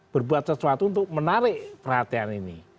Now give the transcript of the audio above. berbuat sesuatu untuk menarik perhatian ini